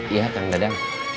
iya kang dadang